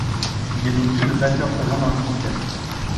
Il n'y a donc plus de batteurs présents dans le système.